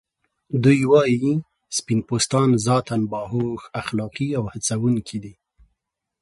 دوی وايي سپین پوستان ذاتاً باهوښ، اخلاقی او هڅونکي دي.